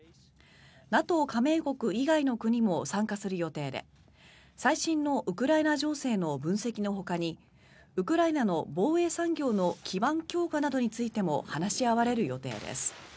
ＮＡＴＯ加盟国以外の国も参加する予定で最新のウクライナ情勢の分析のほかにウクライナの防衛産業の基盤強化などについても話し合われる予定です。